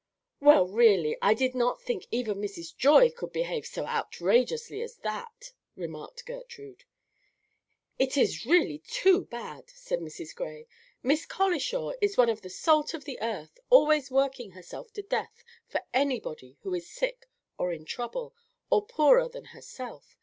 "Well, really, I did not think even Mrs. Joy could behave so outrageously as that," remarked Gertrude. "It is really too bad," said Mrs. Gray. "Miss Colishaw is one of the salt of the earth, always working herself to death for anybody who is sick or in trouble, or poorer than herself.